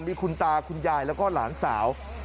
มีคุณตาคุณยายแล้วก็หลานสาว